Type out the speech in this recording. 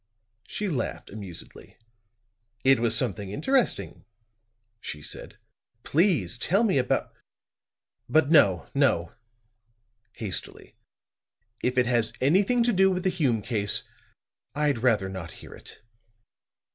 She laughed amusedly. "It was something interesting," she said. "Please tell me about but, no, no," hastily. "If it has anything to do with the Hume case, I'd rather not hear it."